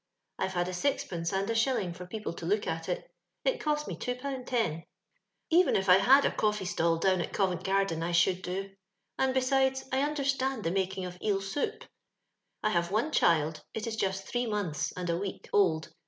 I've had a sixpence and a shilling for people to look at it : it cost me two pound ten. LONDON LABOUR AND THE LONDON POOR. 403 *' Eyen if I had a ooflbe atall down at Covent. garden, I should do; and, besides, I under stand the making of eel soup. I have one child, — it is just three months and a week old.